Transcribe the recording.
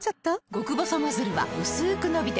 極細ノズルはうすく伸びて